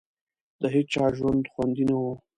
د هېچا ژوند خوندي نه وو.